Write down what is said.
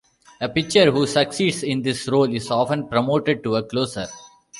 A pitcher who succeeds in this role is often promoted to a closer.